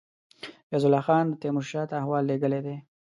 فیض الله خان تېمور شاه ته احوال لېږلی دی.